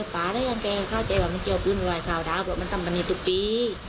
ภาระยังแกเข้าใจว่ามันเกี่ยวปืนไว้ขาวดาวบอกว่ามันทำบรรณีทุกปี